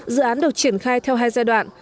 dự án được triển khai theo hai giai đoạn